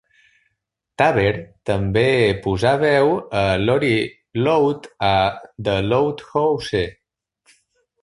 Taber també posar veu a Lori Loud a "The Loud House".